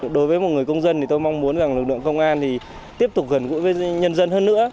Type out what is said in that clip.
đối với một người công dân tôi mong muốn lực lượng công an tiếp tục gần gũi với nhân dân hơn nữa